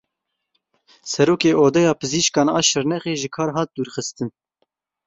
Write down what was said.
Serokê Odeya Pizîşkan a Şirnexê ji kar hat dûrxistin.